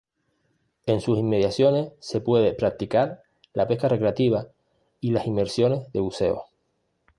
En sus inmediaciones se puede practicar la pesca recreativa y las inmersiones de buceo.